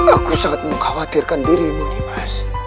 aku sangat mengkhawatirkan dirimu nimas